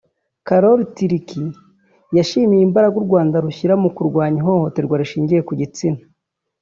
Carolyn Turk yashimiye imbaraga u Rwanda rushyira mu kurwanya ihohoterwa rishingiye ku gitsina